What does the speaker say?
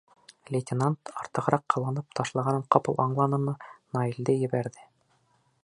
Лейтенант, артығыраҡ ҡыланып ташлағанын ҡапыл аңланымы, Наилде ебәрҙе.